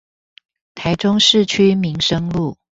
台中市區民生路